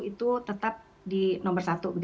itu tetap di nomor satu